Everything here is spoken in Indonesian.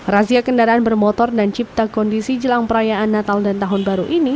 razia kendaraan bermotor dan cipta kondisi jelang perayaan natal dan tahun baru ini